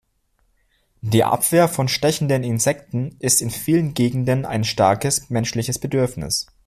Die Abwehr von stechenden Insekten ist in vielen Gegenden ein starkes menschliches Bedürfnis.